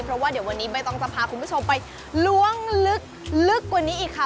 เพราะว่าเดี๋ยววันนี้ใบตองจะพาคุณผู้ชมไปล้วงลึกกว่านี้อีกค่ะ